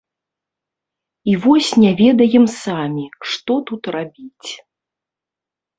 І вось не ведаем самі, што тут рабіць.